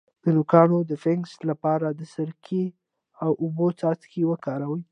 د نوکانو د فنګس لپاره د سرکې او اوبو څاڅکي وکاروئ